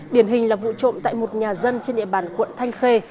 điển hình là vụ trộm tại một nhà dân trên địa bàn quận thanh khê